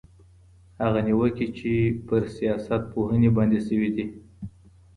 هغه نيوکي پر سياست پوهني باندې سوي دي.